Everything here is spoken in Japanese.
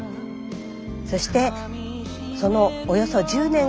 そしてそのおよそ１０年後。